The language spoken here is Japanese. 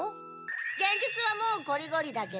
幻術はもうこりごりだけど。